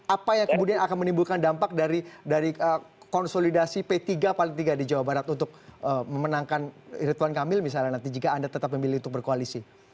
apa yang kemudian akan menimbulkan dampak dari konsolidasi p tiga paling tiga di jawa barat untuk memenangkan ridwan kamil misalnya nanti jika anda tetap memilih untuk berkoalisi